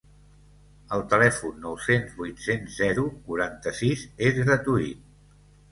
El telèfon nou-cents vuit-cents zero quaranta-sis és gratuït.